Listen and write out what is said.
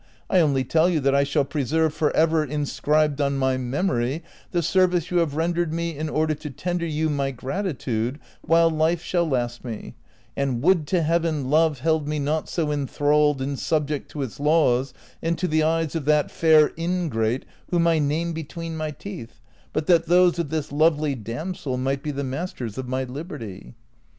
I only tell you that I shall preserve for ever in scribed on my memory the service you have rendered me in order to tender you my gratitude while life shall last me ; and would to Heaven love held me not so enthralled and subject to its laws and to the eyes of that fair ingrate whom I name between my teeth, but that those of this lovely damsel might be the masters of my liberty."'